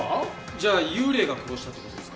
じゃあ幽霊が殺したって事ですか？